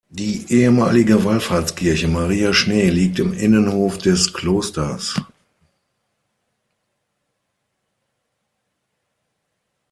Die ehemalige Wallfahrtskirche Maria Schnee liegt im Innenhof des Klosters.